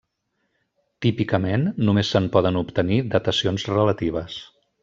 Típicament, només se'n poden obtenir datacions relatives.